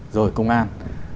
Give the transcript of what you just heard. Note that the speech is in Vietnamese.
rồi công an